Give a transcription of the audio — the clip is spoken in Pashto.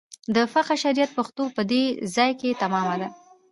د فقه شریعت پښتو په دې ځای کې تمامه ده.